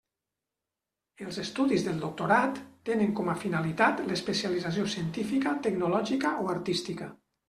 Els estudis de doctorat tenen com a finalitat l'especialització científica, tecnològica o artística.